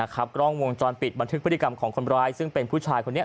กล้องวงจรปิดบันทึกพฤติกรรมของคนร้ายซึ่งเป็นผู้ชายคนนี้